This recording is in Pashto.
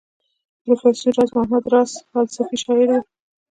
پروفیسر راز محمد راز فلسفي شاعر وو.